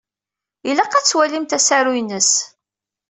Ilaq ad twalimt asaru-ines.